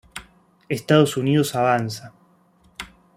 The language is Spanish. Estados Unidos avanza.